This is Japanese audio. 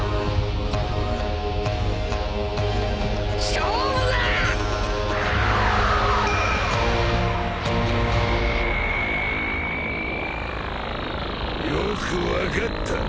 勝負だ！よく分かった。